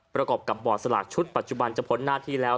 ประกอบกับบอร์ดสลากชุดปัจจุบันจะพ้นหน้าที่แล้ว